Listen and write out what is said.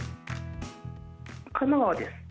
神奈川です。